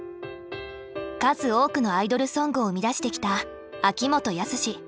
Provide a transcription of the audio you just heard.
数多くのアイドルソングを生み出してきた秋元康。